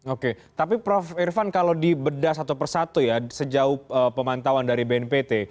oke tapi prof irfan kalau dibedah satu persatu ya sejauh pemantauan dari bnpt